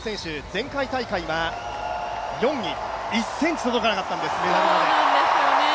前回大会は４位、１ｃｍ届かなかったんです、メダルまで。